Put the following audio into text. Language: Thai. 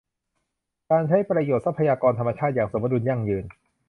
การใช้ประโยชน์ทรัพยากรธรรมชาติอย่างสมดุล ยั่งยืน